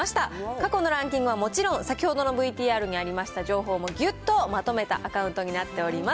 過去のランキングはもちろん、先ほどのＶＴＲにありました情報もぎゅっとまとめたアカウントになっております。